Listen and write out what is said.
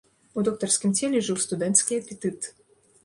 У доктарскім целе жыў студэнцкі апетыт.